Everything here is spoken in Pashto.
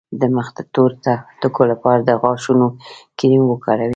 د مخ د تور ټکو لپاره د غاښونو کریم وکاروئ